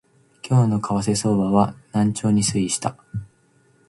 今日の為替相場は軟調に推移した